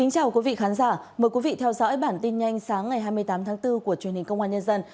chào mừng quý vị đến với bản tin nhanh sáng ngày hai mươi tám tháng bốn của truyền hình công an nhân dân